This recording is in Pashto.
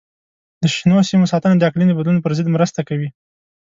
د شنو سیمو ساتنه د اقلیم د بدلون پر ضد مرسته کوي.